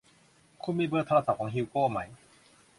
คุณมีเบอร์โทรศัพท์ของฮิวโกไหม